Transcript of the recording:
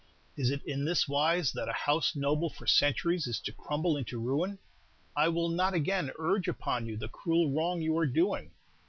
Is it in this wise that a house noble for centuries is to crumble into ruin? I will not again urge upon you the cruel wrong you are doing.